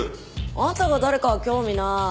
あんたが誰かは興味ない。